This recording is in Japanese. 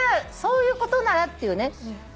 そういうことならっていうね。